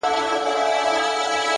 o د ښكلي سولي يوه غوښتنه وكړو ـ